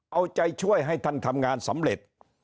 เอาใจช่วยให้ท่านทำงานสำเร็จ